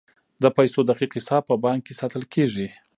د پیسو دقیق حساب په بانک کې ساتل کیږي.